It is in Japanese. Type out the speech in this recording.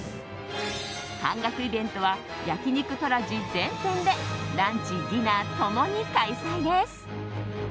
半額イベントは焼肉トラジ全店でランチ、ディナー共に開催です。